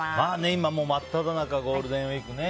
今、真っただ中ゴールデンウィークね。